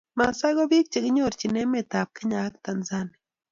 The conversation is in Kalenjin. maasai ko biich chekinyorchini emeet ab kenya ak Tanzania